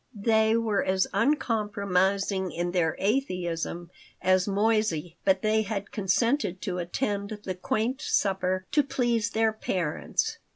They were as uncompromising in their atheism as Moissey, but they had consented to attend the quaint supper to please their parents.